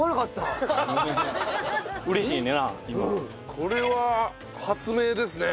これは発明ですね。